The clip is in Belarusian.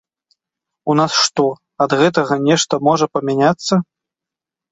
У нас што, ад гэтага нешта можа памяняцца.